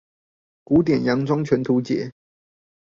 古典洋裝全圖解